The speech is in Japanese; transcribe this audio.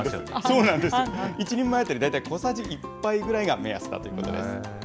１人前当たり小さじ１杯ぐらいが目安だということです。